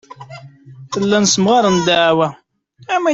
Llant ssemɣarent ddeɛwa.